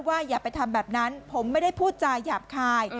อย่าไปทำแบบนั้นผมไม่ได้พูดจาหยาบคาย